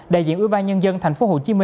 đại diện ủy ban nhân dân tp hcm